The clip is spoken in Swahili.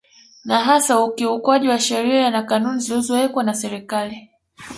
Na hasa ukiukwaji wa sheria na kanuni zilizowekwa na Serikali